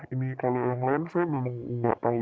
ini kalau yang lain saya memang nggak tahu